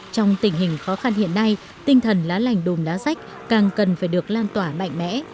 trong tình hình khó khăn hiện nay tinh thần lá lành đùm lá rách càng cần phải được lan tỏa mạnh mẽ